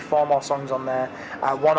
saya akan menulis empat lagu lagi di album